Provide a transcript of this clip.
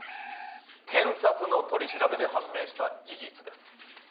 検察の取り調べで判明した事実です」